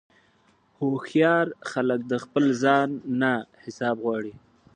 هوښیار خلک د خپل ځان نه حساب غواړي.